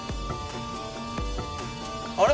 あれ？